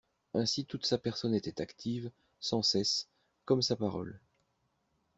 Ainsi toute sa personne était active, sans cesse, comme sa parole.